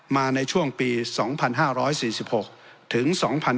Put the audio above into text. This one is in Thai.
มาในช่วงปี๒๕๔๖ถึง๒๕๕๙